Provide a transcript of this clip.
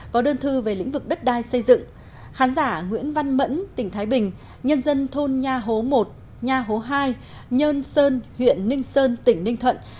có đơn thư về lĩnh vực đất đai xây dựng khán giả nguyễn văn mẫn tỉnh thái bình nhân dân thôn nha hố một nha hố hai nhơn sơn huyện ninh sơn tỉnh ninh thuận